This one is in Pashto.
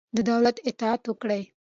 د دولت اطاعت وکړئ.